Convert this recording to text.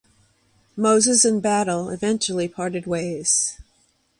Moses and Battle eventually parted ways.